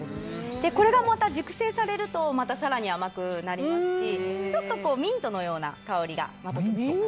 これがまた、熟成されるとまた更に甘くなりますしちょっとミントのような香りが。